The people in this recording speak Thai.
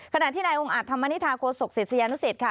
ขณะที่นายองค์อาจธรรมนิษฐาโคศกศิษยานุสิตค่ะ